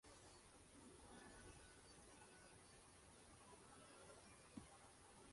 Esta estructura bastante abierta proporcionaba la ventilación necesaria para secar las embarcaciones.